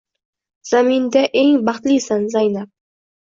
Zaminda eng baxtlisan Zaynab.